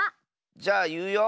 じゃあいうよ。